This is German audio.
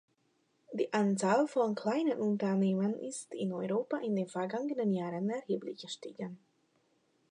Die Anzahl von kleinen Unternehmen ist in Europa in den vergangenen Jahren erheblich gestiegen.